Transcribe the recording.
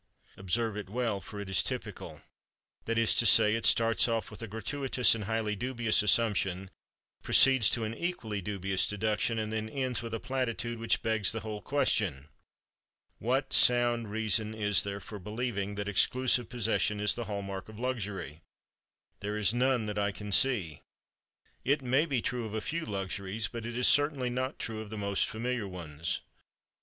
Observe it well, for it is typical. That is to say, it starts off with a gratuitous and highly dubious assumption, proceeds to an equally dubious deduction, and then ends with a platitude which begs the whole question. What sound reason is there for believing that exclusive possession is the hall mark of luxury? There is none that I can see. It may be true of a few luxuries, but it is certainly not true of the most familiar ones.